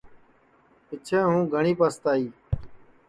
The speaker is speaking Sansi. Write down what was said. پِچھیں ہُوں گھٹؔی پستائی